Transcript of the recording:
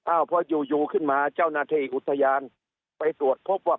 อ้าวพออยู่ขึ้นมาเจ้านาธิอุธยางไปตรวจพบว่า